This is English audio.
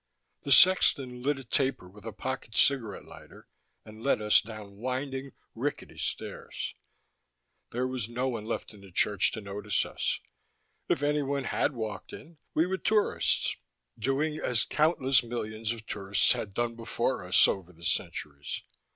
The sexton lit a taper with a pocket cigarette lighter and led us down winding, rickety steps. There was no one left in the church to notice us; if anyone had walked in, we were tourists, doing as countless millions of tourists had done before us over the centuries.